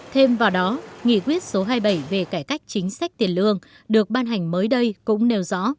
thêm vào đó nghị quyết số hai mươi bảy về cải cách chính sách tiền lương được ban hành mới đây cũng nêu rõ